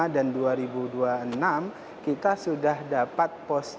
dua ribu dua puluh lima dan dua ribu dua puluh enam kita sudah dapat